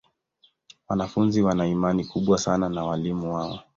Wanafunzi wana imani kubwa sana na walimu wao.